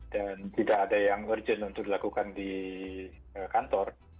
dan tidak ada yang terlalu terburu buru untuk dilakukan di kantor